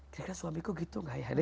kira kira suamiku gitu gak ya